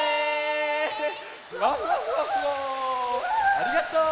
ありがとう！